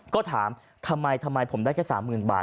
ก็ถามทำไมทำไมผมได้แค่๓๐๐๐บาท